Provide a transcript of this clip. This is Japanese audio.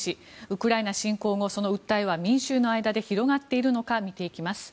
ウクライナ侵攻後、その訴えは民衆の間で広がっているのか見ていきます。